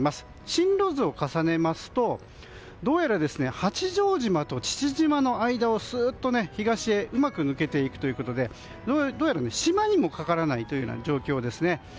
進路図を重ねますとどうやら八丈島と父島の間を東へうまく抜けていくということで島にもかからないという状況ですね。